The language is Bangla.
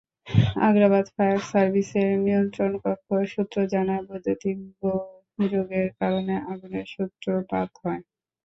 আগ্রাবাদ ফায়ার সার্ভিসের নিয়ন্ত্রণকক্ষ সূত্র জানায়, বৈদ্যুতিক গোলযোগের কারণে আগুনের সূত্রপাত হয়।